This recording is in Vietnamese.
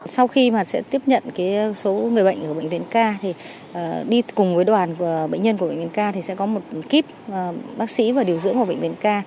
sau khi mà sẽ tiếp nhận số người bệnh ở bệnh viện k thì đi cùng với đoàn bệnh nhân của bệnh viện ca thì sẽ có một kíp bác sĩ và điều dưỡng của bệnh viện ca